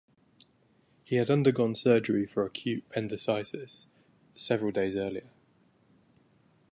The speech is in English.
He had undergone surgery for acute appendicitis several days earlier.